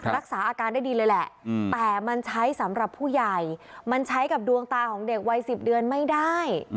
รักษาอาการได้ดีเลยแหละแต่มันใช้สำหรับผู้ใหญ่มันใช้กับดวงตาของเด็กวัย๑๐เดือนไม่ได้